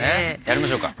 やりましょうか。